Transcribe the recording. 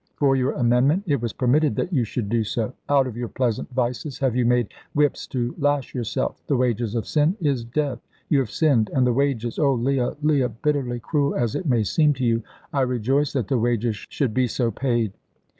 "For your amendment it was permitted that you should do so. Out of your pleasant vices have you made whips to lash yourself. The wages of sin is death; you have sinned, and the wages oh, Leah, Leah, bitterly cruel as it may seem to you, I rejoice that the wages should be so paid."